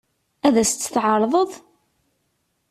Ad as-tt-tɛeṛḍeḍ?